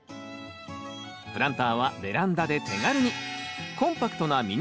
プランターはベランダで手軽に！